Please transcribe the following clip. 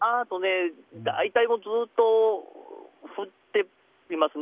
大体ずっと降ってますね。